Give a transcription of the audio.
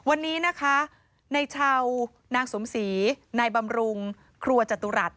วันนี้นะคะในเช้านางสมศรีนายบำรุงครัวจตุรัส